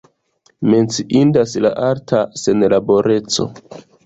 Menciindas la alta senlaboreco.